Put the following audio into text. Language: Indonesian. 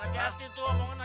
hati hati tuh omongan doa